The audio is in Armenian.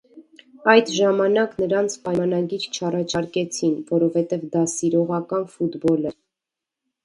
Այդ ժամանակ նրանց պայմանագիր չառաջարկեցին, որովհետև դա սիրողական ֆուտբոլ էր։